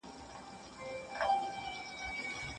هغه ژړ مازیګری دی هغه ډلي د زلمیو